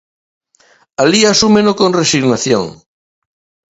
Alí asúmeno con resignación.